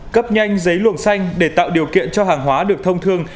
cấp nhanh giấy luồng xanh để tạo điều kiện cho hàng hóa được thông thương